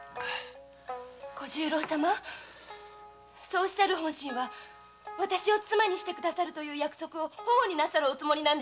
そうおっしゃる本心は私を妻にするという約束をホゴになさるおつもりなんですね。